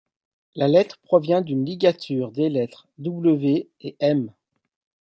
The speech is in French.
La lettre provient d'une ligature des lettres Ⱎ et Ⱅ.